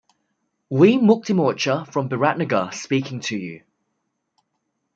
We muktimorcha from Biratnagar speaking to you.